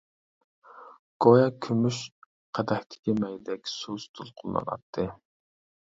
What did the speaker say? گويا كۈمۈش قەدەھتىكى مەيدەك سۇس دولقۇنلىناتتى.